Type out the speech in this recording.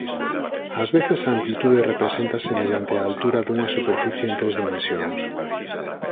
Ás veces a amplitude represéntase mediante a altura dunha superficie en tres dimensións.